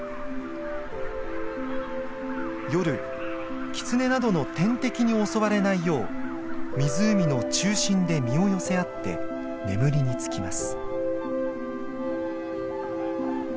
夜キツネなどの天敵に襲われないよう湖の中心で身を寄せ合って眠りにつきます。